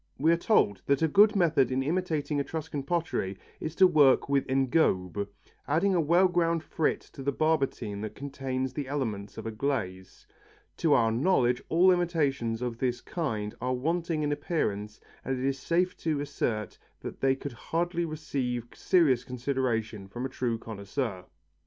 We are told that a good method in imitating Etruscan pottery is to work with engobe, adding a well ground frit to the barbotine that contains the elements of a glaze. To our knowledge all imitations of this kind are wanting in appearance and it is safe to assert that they could hardly receive serious consideration from a true connoisseur.